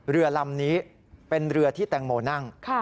เรือลำนี้เป็นเรือที่แตงโมนั่ง